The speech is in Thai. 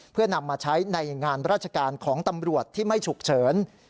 เพื่อนำมาใช้ในงานราชการของตำรวจที่ไม่ฉุกเฉิน